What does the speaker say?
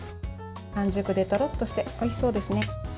半熟でとろっとしておいしそうですね。